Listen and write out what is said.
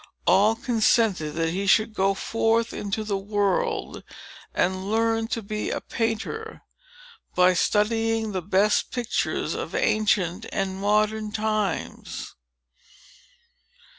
All consented that he should go forth into the world, and learn to be a painter, by studying the best pictures of ancient and modern times.